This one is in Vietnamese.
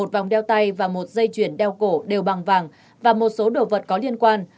một vòng đeo tay và một dây chuyển đeo cổ đều bằng vàng và một số đồ vật có liên quan